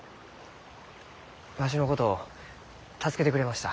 わしのことを助けてくれました。